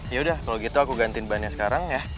yaudah kalau gitu aku gantiin ban nya sekarang ya